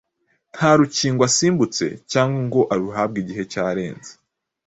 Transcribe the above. nta rukingo asimbutse cyangwa ngo aruhabwe igihe cyararenze.